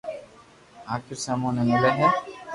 لڌيز سمون بي ملي هي